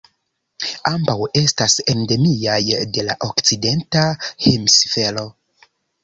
Ambaŭ estas endemiaj de la Okcidenta Hemisfero.